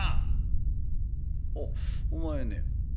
おっお前ね